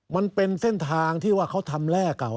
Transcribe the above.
มันเป็นเส้นทางที่ว่าเขาทำแร่เก่า